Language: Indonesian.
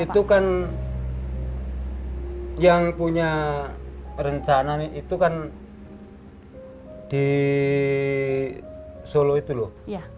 itu kan yang punya rencana itu kan di solo itu loh